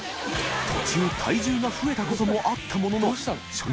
稘喘体重が増えたこともあったものの蘰↓